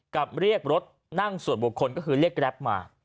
เรียกรถนั่งส่วนบุคคลก็คือเรียกแกรปมา